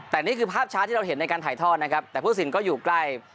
แต่นี่คือภาพชาร์จที่เราเห็นในการถ่ายทอดนะครับแต่ผู้สินก็อยู่ใกล้